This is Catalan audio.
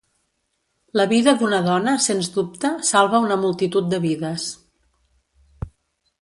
La vida d'una dona sens dubte salva una multitud de vides.